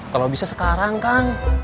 kalau bisa sekarang kang